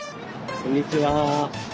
こんにちは。